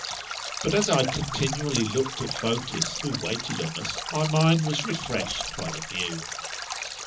^ But as I continually looked at Fotis, who waited on us, my mind was refreshed by the view.